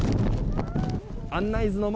案内図の前。